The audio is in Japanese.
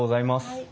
はい。